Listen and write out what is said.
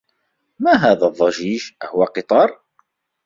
ما هذا الضّجيج؟ أهو قطار؟